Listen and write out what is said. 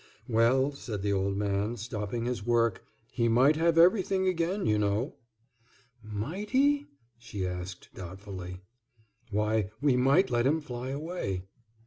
"Well," said the old man, stopping his work, "he might have everything again, you know." "Might he?" she asked, doubtfully. "Why, we might let him fly away."